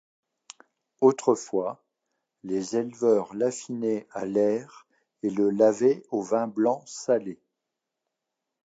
Autrefois, les éleveurs l'affinaient à l'air et le lavaient au vin blanc salé.